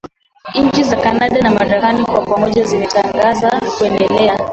nchi za canada na marekani kwa pamoja zimetangaza kuendelea